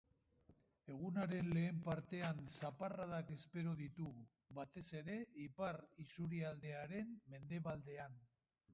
Egunaren lehen partean zaparradak espero ditugu, batez ere ipar isurialdearen mendebaldean.